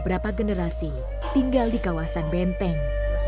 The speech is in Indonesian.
beberapa generasi tinggal di kawasan benteng